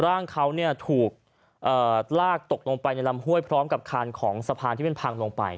ร่างเขาถูกลากตกลงไปในลำห้วยพร้อมกับคานของสะพานที่มันพังลงไป